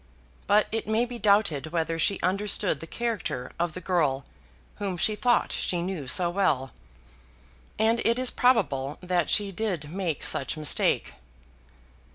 But it may be doubted whether she understood the character of the girl whom she thought she knew so well, and it is probable that she did make such mistake.